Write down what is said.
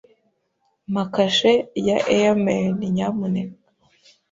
Mpa kashe ya airmail, nyamuneka.